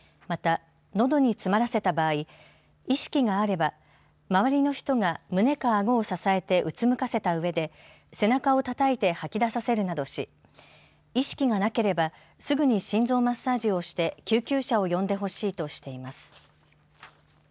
また、のどに詰まらせた場合意識があれば周りの人が胸かあごを支えてうつむかせた上で背中をたたいて吐き出させるなどし意識がなければすぐに心臓マッサージをして救急車を呼んでほしいとしています。